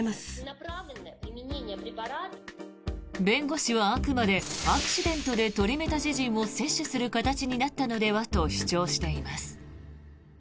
弁護士はあくまでアクシデントでトリメタジジンを摂取する形になったのではと主張しています。